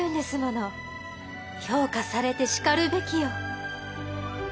評価されてしかるべきよ。